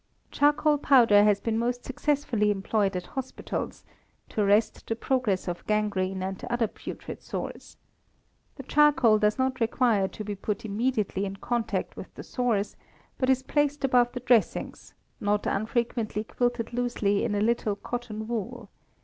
Charcoal powder has been most successfully employed at hospitals, to arrest the progress of gangrene and other putrid sores. The charcoal does not require to be put immediately in contact with the sores, but is placed above the dressings, not unfrequently quilted loosely in a little cotton wool.